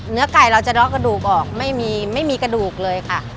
เนื้อไก่เราจะเดาะกระดูกออกไม่มีกระดูกเลยค่ะ